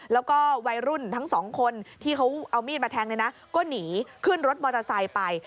แล้วก็วัยรุ่นทั้งสองคนที่เขาเอามีดมาแทงเนี่ยนะก็หนีขึ้นรถมอเตอร์ไซค์ไป